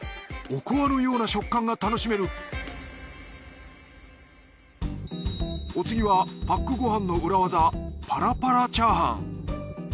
おこわのような食感が楽しめるお次はパックご飯の裏技パラパラチャーハン。